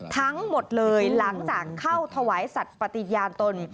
ทั้งหมดเลยหลังจากเข้าถวายสัตว์ปฏิญาณตน